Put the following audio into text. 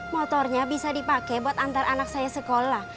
motornya bisa dipakai buat antar anak saya sekolah